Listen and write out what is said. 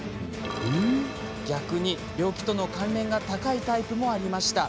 逆に、病気との関連が高いタイプもありました。